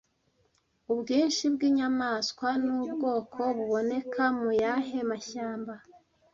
Ubwinshi bwinyamanswa nubwoko buboneka muyahe mashyamba